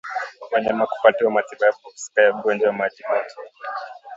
Wanyama kupatiwa matibabu husika ya ugonjwa wa majimoyo